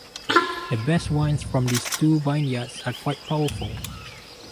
The best wines from these two vineyards are quite powerful.